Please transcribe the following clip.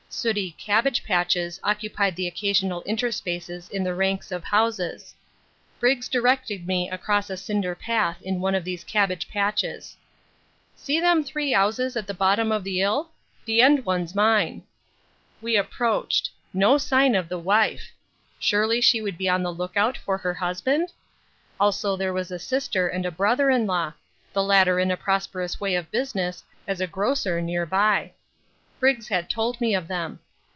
Sooty cabbage patches occupied the occasional interspaces in the ranks of houses. Briggs directed me across a cinder path in one of these cabbage patches. "See them three 'ouses at the bottom of the 'ill? The end one's mine." We approached. No sign of the wife. Surely she would be on the look out for her husband? Also there was a sister and a brother in law the latter in a prosperous way of business as a grocer near by: Briggs had told me of them.